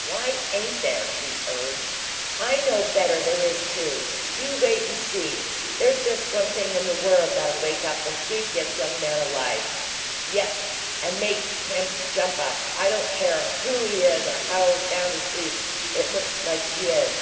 "WHY ain't there?" she urged. "I know better there is, too! You wait and see. There's just one thing in the world that'll wake the sleepiest young man alive up yes, and make him JUMP up and I don't care who he is or how sound asleep it looks like he is.